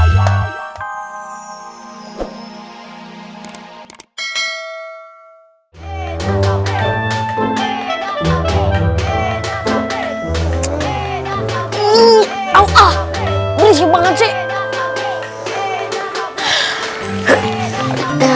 kau ah berisi banget sih